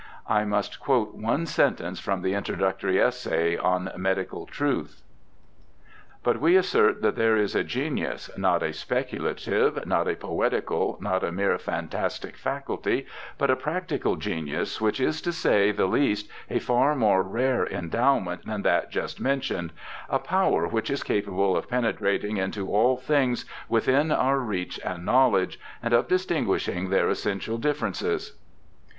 I must quote one sentence from the Introductory Essay on Medical Truth ••' But we assert that there is a genius, not a speculative, not a poetical, not a mere fantastic faculty, but a practical genius, which is, to say the least, a far more rare endow ment than that just mentioned ;" a power which is capable of penetrating into all things within our reach and knoidedge and of distinguishing their essential differences."